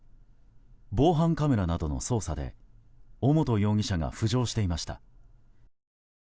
防犯カメラなどの捜査で尾本容疑者が浮上していました。